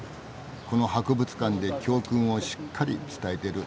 この博物館で教訓をしっかり伝えてる。